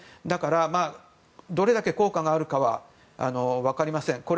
だから、どれだけ効果があるかは分かりません。